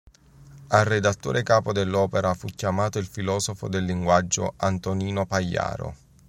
A redattore capo dell'opera fu chiamato il filosofo del linguaggio Antonino Pagliaro.